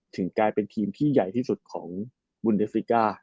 ถึงกลายเป็นทีมที่ใหญ่ที่สุดของบุญเดฟริกา